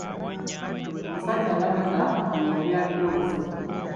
Omusajja alabika ye yali alina obuzibu.